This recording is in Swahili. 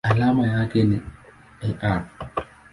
Alama yake ni Ar.